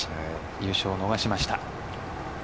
優勝を逃しました。